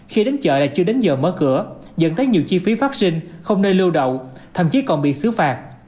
khi đến chợ là chưa đến giờ mở cửa dẫn tới nhiều chi phí vaccine không nơi lưu đậu thậm chí còn bị xứ phạt